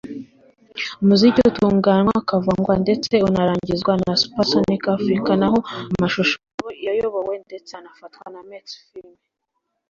umuziki utunganywa/uvangwa ndetse unarangizwa na Supersonic Africa naho mashusho yayobowe ndetse anafatwa na Mex Films